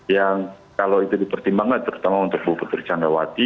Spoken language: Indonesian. yang kalau itu dipertimbangkan terutama untuk bu putri candrawati